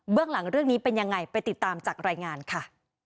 เรื่องหลังเรื่องนี้เป็นยังไงไปติดตามจากรายงานค่ะ